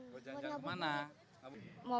buah jalan jalan ke mana